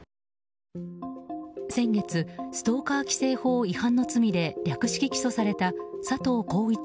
先月ストーカー規制法違反の罪で略式起訴された佐藤耕一